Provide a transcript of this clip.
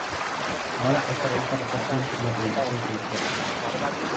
Ahora esta revista pasó a ser una publicación trimestral.